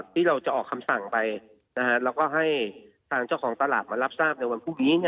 ที่เราจะออกคำสั่งไปแล้วก็ให้ทางเจ้าของตลาดมารับทราบในวันพรุ่งนี้